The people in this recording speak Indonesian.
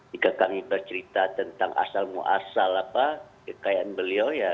jika kami bercerita tentang asal muasal kekayaan beliau ya